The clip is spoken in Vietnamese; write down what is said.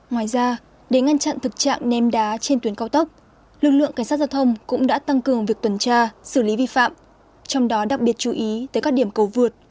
ngoài ra để ngăn chặn thực trạng ném đá trên tuyến cao tốc lực lượng cảnh sát giao thông cũng đã tăng cường việc tuần tra xử lý vi phạm trong đó đặc biệt chú ý tới các điểm cầu vượt